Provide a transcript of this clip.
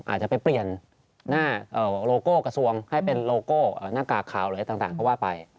อาจจะไปเปลี่ยนหน้าโลโก้กระทรวงให้เป็นโลโก้หน้ากากขาวหรืออะไรต่างก็ว่าไป